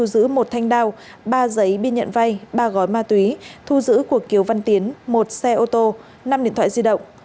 giữ một thanh đao ba giấy biên nhận vay ba gói ma túy thu giữ của kiều văn tiến một xe ô tô năm điện thoại di động